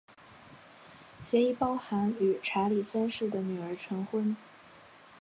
协议包含与查理三世的女儿成婚。